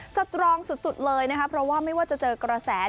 สตรองสุดเลยนะคะเพราะว่าไม่ว่าจะเจอกระแส